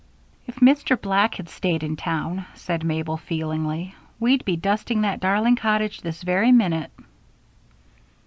"If Mr. Black had stayed in town," said Mabel, feelingly, "we'd be dusting that darling cottage this very minute."